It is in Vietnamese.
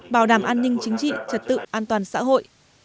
bảo đảm an ninh chính trị trật tự an toàn xã hội